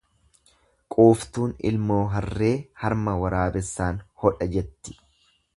Quuftuun ilmoo harree harma waraabessaan hodha jetti.